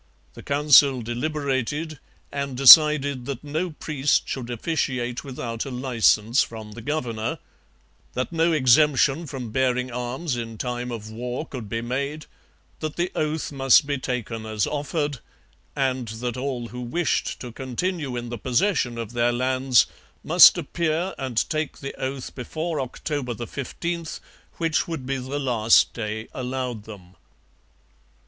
The Council deliberated and decided that no priest should officiate without a licence from the governor; that no exemption from bearing arms in time of war could be made; that the oath must be taken as offered; and that all who wished to continue in the possession of their lands must appear and take the oath before October 15, which would be the last day allowed them.